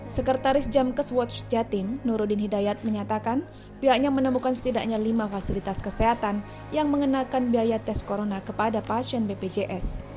sekretaris jamkes watch jatim nurudin hidayat menyatakan pihaknya menemukan setidaknya lima fasilitas kesehatan yang mengenakan biaya tes corona kepada pasien bpjs